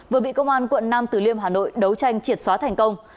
vừa bị công an quận nam tử liêm hà nội đấu tranh triệt xóa thành công